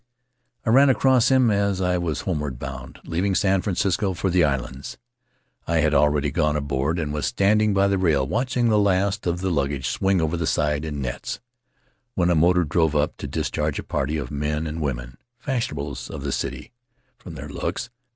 "I ran across him as I was homeward bound, leaving San Francisco for the islands. I had already gone aboard and was standing by the rail, watching the last of the luggage swing over the side in nets, when a motor drove up to discharge a party of men and women — fashionables of the city, from their looks.